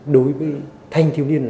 đối với thanh thiếu niên